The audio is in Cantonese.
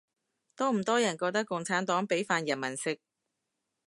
多唔多人覺得共產黨畀飯人民食